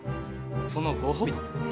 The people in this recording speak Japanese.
そのご褒美です。